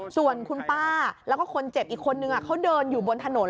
ส่วนคุณป้าแล้วก็คนเจ็บอีกคนนึงเขาเดินอยู่บนถนน